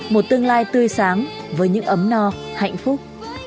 một tương lai tươi sáng với những ấm no hạnh phúc